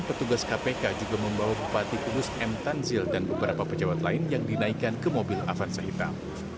petugas kpk juga membawa bupati kudus m tanzil dan beberapa pejabat lain yang dinaikkan ke mobil avanza hitam